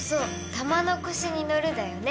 「玉の輿に乗る」だよね。